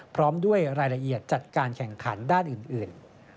พร้อมด้วยรายละเอียดจัดการแข่งขันด้านอื่น